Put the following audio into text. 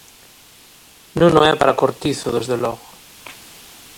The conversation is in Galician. Non o é para Cortizo, desde logo.